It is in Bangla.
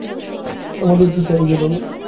আমাদেরকে চালিয়ে যেতে হবে!